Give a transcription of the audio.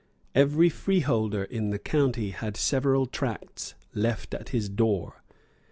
Every freeholder in the county had several tracts left at his door.